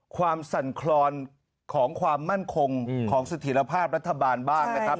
สั่นคลอนของความมั่นคงของเสถียรภาพรัฐบาลบ้างนะครับ